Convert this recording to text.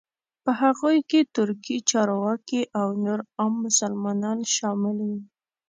په هغوی کې ترکي چارواکي او نور عام مسلمانان شامل وو.